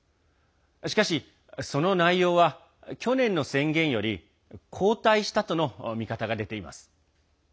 しかし、その内容は去年の宣言より後退したとの見方が出ています。